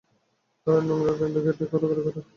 তারা নোংরা হয়ে কেঁদেকেটে গড়াগড়ি দেয়।